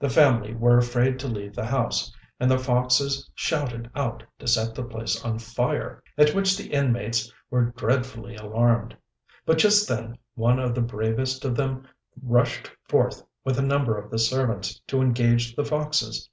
The family were afraid to leave the house, and the foxes shouted out to set the place on fire, at which the inmates were dreadfully alarmed; but just then one of the bravest of them rushed forth with a number of the servants to engage the foxes.